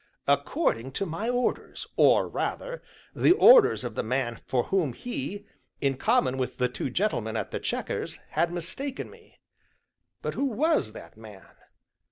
According to my orders, or rather, the orders of the man for whom he (in common with the two gentlemen at "The Chequers") had mistaken me. But who was that man?